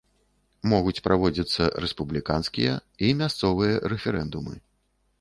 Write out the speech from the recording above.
Могуць праводзіцца рэспубліканскія і мясцовыя рэферэндумы.